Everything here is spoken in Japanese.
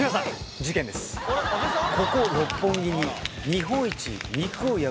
ここ六本木に。